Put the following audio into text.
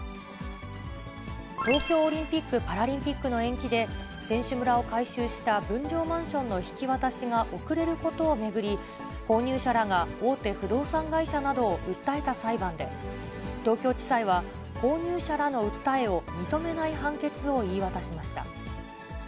東京オリンピック・パラリンピックの延期で、選手村を改修した分譲マンションの引き渡しが遅れることを巡り、購入者らが大手不動産会社などを訴えた裁判で、東京地裁は、購入者らの訴えを認めない判決を言い渡しました。